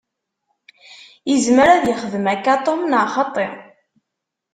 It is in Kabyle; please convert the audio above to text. Izmer ad yexdem akka Tom, neɣ xaṭi?